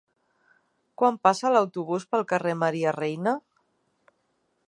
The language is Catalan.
Quan passa l'autobús pel carrer Maria Reina?